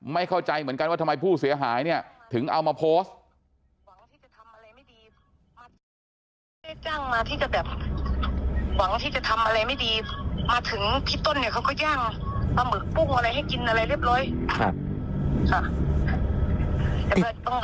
ไม่เข้าใจเหมือนกันว่าทำไมผู้เสียหายเนี่ยถึงเอามาโพสต์